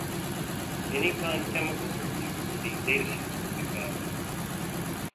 Anytime chemicals are used these data sheets will be found.